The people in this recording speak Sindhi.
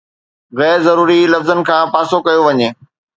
غير ضروري لفظن کان پاسو ڪيو وڃي.